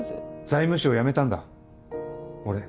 財務省辞めたんだ俺。